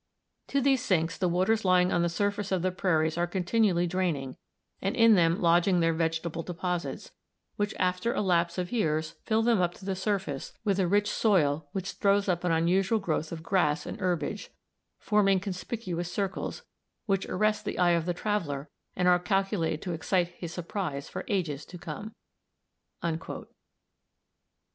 ] "To these sinks, the waters lying on the surface of the prairies are continually draining and in them lodging their vegetable deposits, which after a lapse of years fill them up to the surface with a rich soil, which throws up an unusual growth of grass and herbage, forming conspicuous circles, which arrest the eye of the traveler and are calculated to excite his surprise for ages to come."